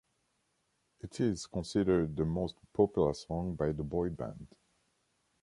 It is considered the most popular song by the boy band.